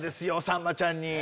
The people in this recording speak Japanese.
さんまちゃんに。